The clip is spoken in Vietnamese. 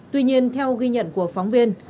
tuy nhiên theo ghi nhận của phóng viên